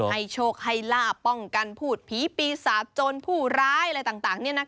ให้โชคให้ลาบป้องกันพูดผีปีศาจจนผู้ร้ายอะไรต่าง